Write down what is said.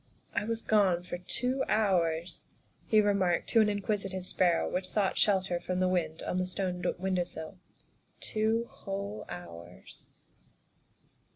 " I was gone for two hours," he remarked to an in quisitive sparrow which sought shelter from the wind on the stone window sill, " two whole hours."